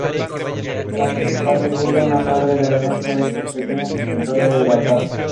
A principios de julio, una madre, con ocho hijos pequeños, intentó evacuar.